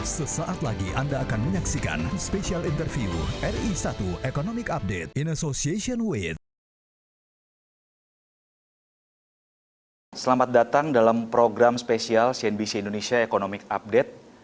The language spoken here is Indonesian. selamat datang dalam program spesial cnbc indonesia economic update